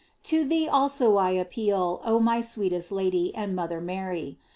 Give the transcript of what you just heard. To thee also I appeal, oh my sweetest Lady and mother Mary.